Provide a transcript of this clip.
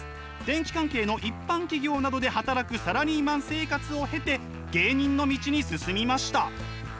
電気関係の一般企業などで働くサラリーマン生活を経て芸人の道に進みました。